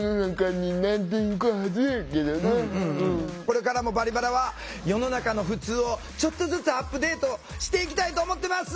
これからも「バリバラ」は世の中のふつうをちょっとずつアップデートしていきたいと思ってます！